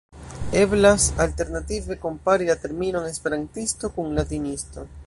Eblas alternative kompari la terminon 'esperantisto' kun 'latinisto'.